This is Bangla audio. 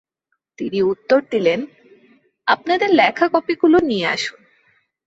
তিনি উত্তর দিলেন- "আপনাদের লেখা কপিগুলো নিয়ে আসুন।